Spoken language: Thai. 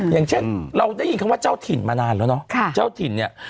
อย่างเช่นเราได้ยินคำว่าเจ้าถิ่นมานานแล้วเนอะ